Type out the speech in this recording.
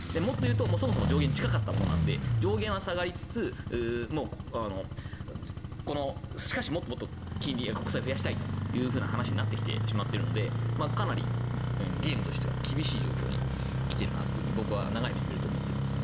そもそも上限が近かったものなので上限は下がりつつしかし、もっと金利、国債を増やしたいという話になっているのでかなりゲームとしては厳しい状況に来ているなと僕は長い目で見ると思ってますね。